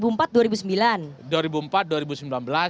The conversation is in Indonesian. maksudnya ini pemilu dua ribu empat dua ribu sembilan